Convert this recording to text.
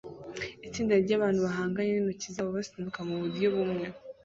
Itsinda ryabantu bahanganye nintoki zabo basunika muburyo bumwe